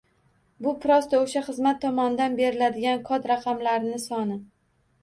Bu prosto o‘sha xizmat tomonidan beriladigan kod raqamlarni soni.